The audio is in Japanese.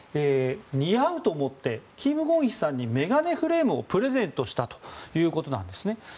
似合うと思ってキム・ゴンヒさんに眼鏡フレームをプレゼントしたということです。